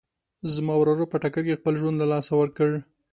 زما وراره په ټکر کې خپل ژوند له لاسه ورکړ